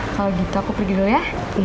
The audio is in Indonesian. kalau gitu aku pergi dulu ya